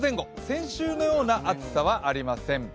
先週のような暑さはありません。